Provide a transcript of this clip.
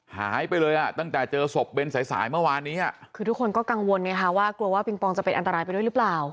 หายไปเลยอ่ะตั้งแต่เจอศพเบนสายสายเมื่อวานนี้อ่ะคือทุกคนก็กังวลไงคะว่ากลัวว่าปิงปองจะเป็นอันตรายไปด้วยหรือเปล่า